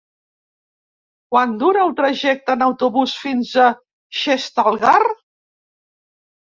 Quant dura el trajecte en autobús fins a Xestalgar?